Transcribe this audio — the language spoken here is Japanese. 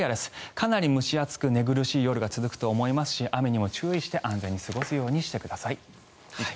かなり蒸し暑く寝苦しい夜が続くと思いますし雨にも注意して安全に過ごすようにしてください。